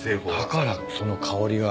だからその香りが。